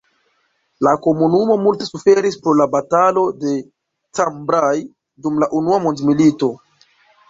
La komunumo multe suferis pro la batalo de Cambrai dum la Unua mondmilito.